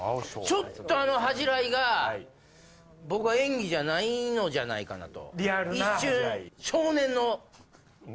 ちょっと恥じらいが僕は演技じゃないのじゃないかなと。